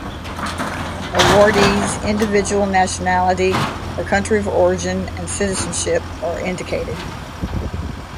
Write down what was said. Awardees' individual nationality or country of origin and citizenship are indicated.